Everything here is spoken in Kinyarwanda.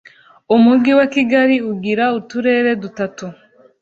umugi wakigali ugira uturere dutatu